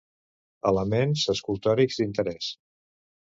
Elements escultòrics d'interès.